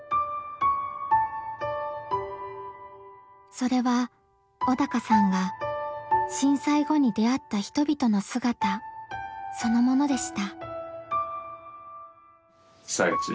それは小鷹さんが震災後に出会った人々の姿そのものでした。